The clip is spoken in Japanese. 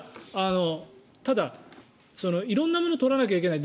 ただ、色んなものを取らないといけない。